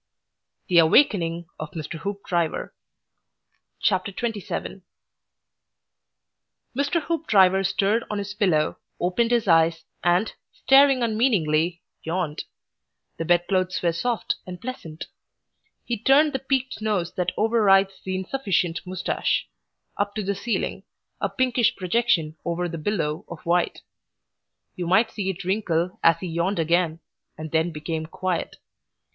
XXVII. THE AWAKENING OF MR. HOOPDRIVER Mr. Hoopdriver stirred on his pillow, opened his eyes, and, staring unmeaningly, yawned. The bedclothes were soft and pleasant. He turned the peaked nose that overrides the insufficient moustache, up to the ceiling, a pinkish projection over the billow of white. You might see it wrinkle as he yawned again, and then became quiet.